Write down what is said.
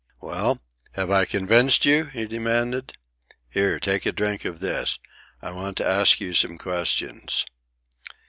"Well, have I convinced you?" he demanded. "Here take a drink of this. I want to ask you some questions."